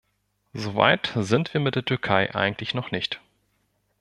So weit sind wir mit der Türkei eigentlich noch nicht.